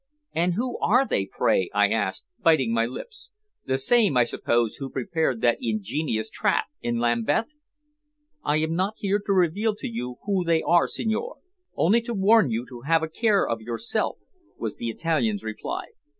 "And who are they, pray?" I asked, biting my lips. "The same, I suppose, who prepared that ingenious trap in Lambeth?" "I am not here to reveal to you who they are, signore, only to warn you to have a care of yourself," was the Italian's reply.